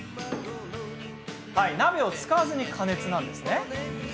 鍋を使わずに加熱するんです。